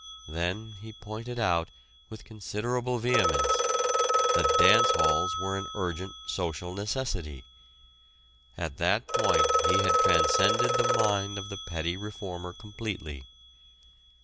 Then he pointed out with considerable vehemence that dance halls were an urgent social necessity. At that point he had transcended the mind of the petty reformer completely.